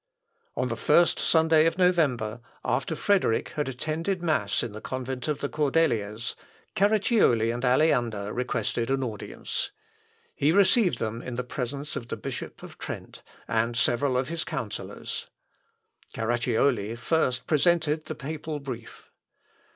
On the first Sunday of November, after Frederick had attended mass in the convent of the Cordeliers, Carracioli and Aleander requested an audience. He received them in the presence of the Bishop of Trent, and several of his counsellors. Carracioli first presented the papal brief.